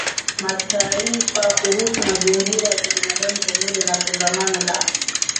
Mataifa Kuhusu Mazingira ya Kibinadamu pamoja na Kongamano la